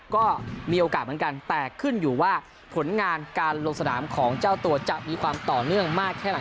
ก็มีโอกาสเหมือนกันแต่ขึ้นอยู่ว่าผลงานการลงสนามของเจ้าตัวจะมีความต่อเนื่องมากแค่ไหน